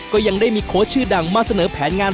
ก็ยังได้มีโค้ชชื่อดังมาเสนอแผนงาน